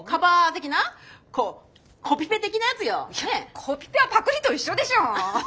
コピペはパクリと一緒でしょ！